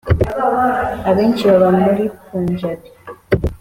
abenshi baba muri punjabi.